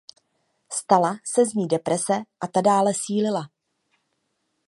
Stala se z ní deprese a ta dále sílila.